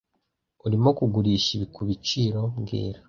urimo kugurisha ibi kubiciro mbwira